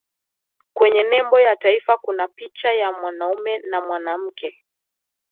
kwenye nembo ya taifa kuna picha ya mwanaume na mwanamke